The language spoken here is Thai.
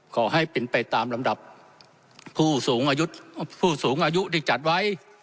ขอให้เป็นไปตามลำดับผู้สูงอายุผู้สูงอายุที่จัดไว้